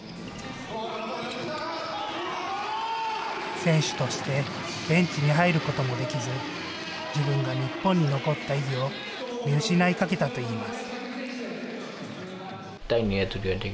選手としてベンチに入ることもできず、自分が日本に残った意義を見失いかけたといいます。